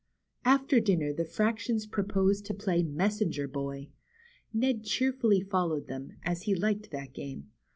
After dinner the fractions proposed to play Mes senger Boy." Ned cheerfully followed them, as he liked that game.